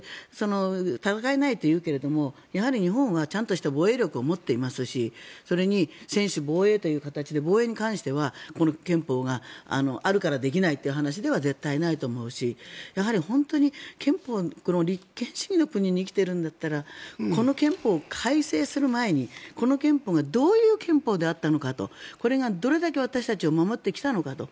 戦えないというけれどやはり日本はちゃんとした防衛力を持っていますしそれに専守防衛という形で防衛に関しては憲法があるからできないという話では絶対にないと思うしやはり本当にこの立憲主義の国に生きているんだったらこの憲法を改正する前にこの憲法がどういう憲法であったのかとこれがどれだけ私たちを守ってきたのかと。